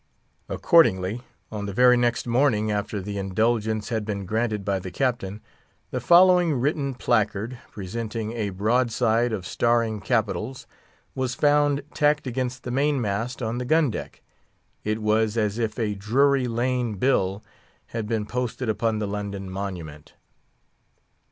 Accordingly, on the very next morning after the indulgence had been granted by the Captain, the following written placard, presenting a broadside of staring capitals, was found tacked against the main mast on the gun deck. It was as if a Drury Lane bill had been posted upon the London Monument.